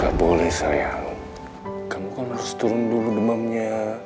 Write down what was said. gak boleh sayang kamu kan harus turun dulu demamnya